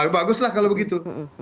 baguslah kalau begitu